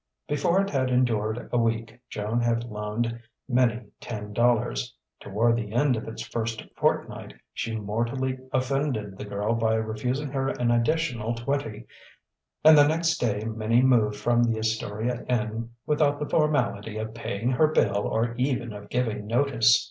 Before it had endured a week Joan had loaned Minnie ten dollars. Toward the end of its first fortnight she mortally offended the girl by refusing her an additional twenty, and the next day Minnie moved from the Astoria Inn without the formality of paying her bill or even of giving notice.